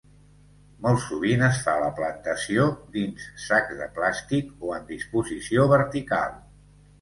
Molt sovint es fa la plantació dins sacs de plàstic o en disposició vertical.